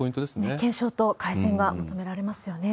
検証と改善が求められますよね。